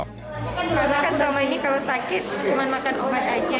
karena kan selama ini kalau sakit cuma makan obat aja